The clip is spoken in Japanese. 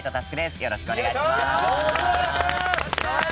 よろしくお願いします。